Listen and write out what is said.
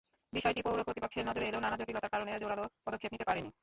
বিষয়টি পৌর কর্তৃপক্ষের নজরে এলেও নানা জটিলতার কারণে জোরালো পদক্ষেপ নিতে পারেনি।